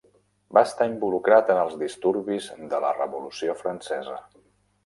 Va estar involucrat en els disturbis de la Revolució Francesa.